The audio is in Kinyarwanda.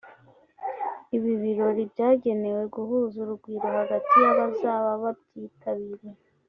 Ibi birori byagenewe guhuza urugwiro hagati y’abazaba babyitabiriye